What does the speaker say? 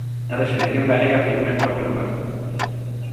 A da selección galega figura en cuarto lugar.